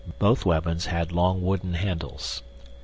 BOTH WEAPONS HAD LONG WOODEN HANDLES.